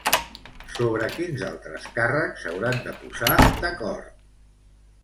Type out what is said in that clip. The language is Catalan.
Sobre quins altres càrrecs s'hauran de posar d'acord?